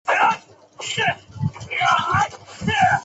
小紫果槭为槭树科槭属下的一个变种。